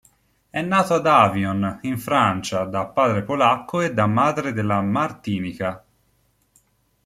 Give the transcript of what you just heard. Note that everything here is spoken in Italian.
È nato ad Avion, in Francia da padre polacco e da madre della Martinica.